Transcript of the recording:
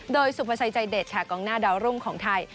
โดยสุภาชัยใจเด็ดค่ะกองหน้าดาวรุ่งของไทย